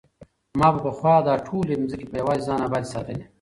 ما به پخوا دا ټولې ځمکې په یوازې ځان ابادې ساتلې.